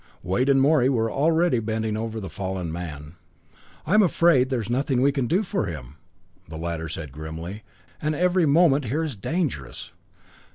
Wade and Morey were already bending over the fallen man. "I'm afraid there's nothing we can do for him," the latter said grimly, "and every moment here is dangerous.